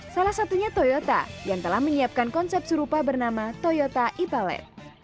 salah satunya toyota yang telah menyiapkan konsep serupa bernama toyota e palet